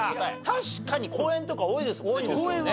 確かに公園とか多いですもんね東京ね。